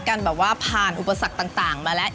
กันแบบว่าผ่านอุปสรรคต่างมาแล้ว